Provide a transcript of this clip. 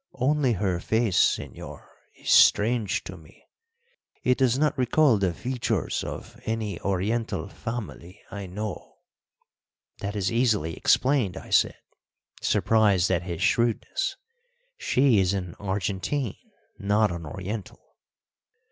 Only her face, señor, is strange to me; it does not recall the features of any Oriental family I know." "That is easily explained," I said, surprised at his shrewdness, "she is an Argentine, not an Oriental."